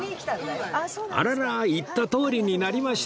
あらら言ったとおりになりました